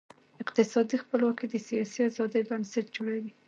اقتصادي خپلواکي د سیاسي آزادۍ بنسټ جوړوي.